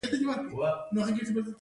زلزله د لارو د بندیدو سبب هم کیږي.